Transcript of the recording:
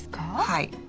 はい。